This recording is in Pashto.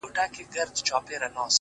• څنګه د مصر په بازار کي زلیخا ووینم ,